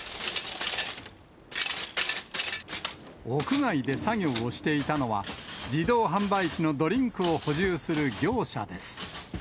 屋外で作業をしていたのは、自動販売機のドリンクを補充する業者です。